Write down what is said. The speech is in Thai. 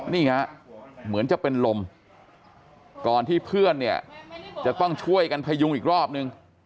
นี่ฮะเหมือนจะเป็นลมก่อนที่เพื่อนเนี่ยจะต้องช่วยกันพยุงอีกรอบนึง